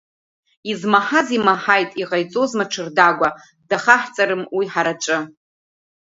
Измаҳаз имаҳаит, иҟаиҵозма ҽырдагәа, дахаҳҵарым уи ҳара аҵәы.